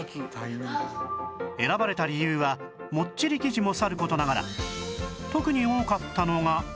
選ばれた理由はもっちり生地もさる事ながら特に多かったのが